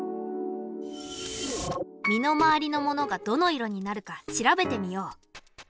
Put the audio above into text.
身の回りのものがどの色になるか調べてみよう。